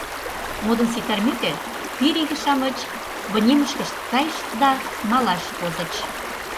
Модын ситарымеке, пире иге-шамыч вынемышкышт кайышт да малаш возыч.